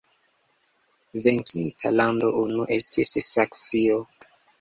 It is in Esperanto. Venkinta lando unua estis Saksio.